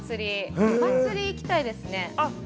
祭り行きたいですね。